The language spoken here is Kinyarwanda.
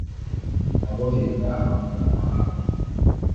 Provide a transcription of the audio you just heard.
abohereza amabuye mu mahanga